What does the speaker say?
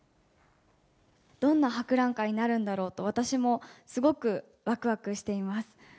どんな博覧会になるんだろうと、私もすごくわくわくしています。